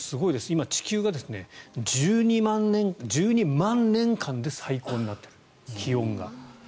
今、地球が１２万年間で最高になっていると気温が。